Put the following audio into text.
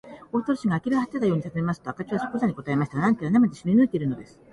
大鳥氏があきれはてたようにたずねますと、明智はそくざに答えました。何から何まで知りぬいているのです。